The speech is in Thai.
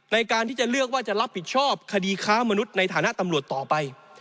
ในการที่จะเลือกว่าจะรับผิดชอบคดีค้ามนุษย์ในฐานะตำรวจต่อไป